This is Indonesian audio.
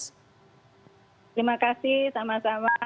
terima kasih sama sama